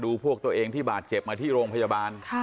พวกตัวเองที่บาดเจ็บมาที่โรงพยาบาล